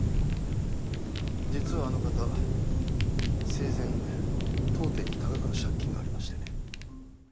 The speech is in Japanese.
実はあの方生前当店に多額の借金がありましてね。